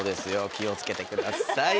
気をつけてください。